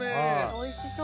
おいしそう。